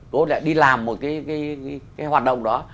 cô đã đi làm một cái hoạt động đó